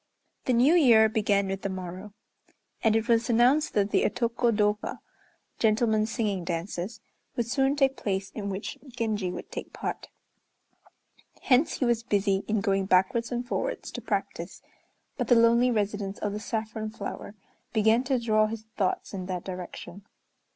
The New Year began with the morrow; and it was announced that the Otoko dôka (gentlemen's singing dances) would soon take place in which Genji would take part. Hence he was busy in going backwards and forwards, to practise, but the lonely residence of the saffron flower began to draw his thoughts in that direction.